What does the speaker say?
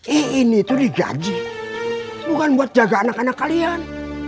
iin itu digaji bukan buat jaga anak anak kalian